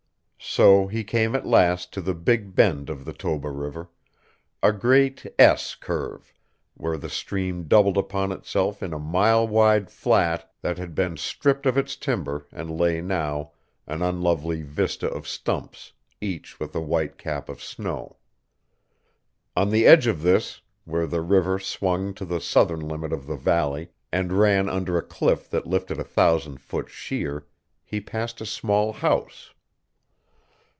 So he came at last to the Big Bend of the Toba River, a great S curve where the stream doubled upon itself in a mile wide flat that had been stripped of its timber and lay now an unlovely vista of stumps, each with a white cap of snow. On the edge of this, where the river swung to the southern limit of the valley and ran under a cliff that lifted a thousand foot sheer, he passed a small house.